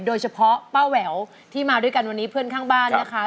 โดยเฉพาะป้าแหววที่มาด้วยกันวันนี้เพื่อนข้างบ้านนะคะ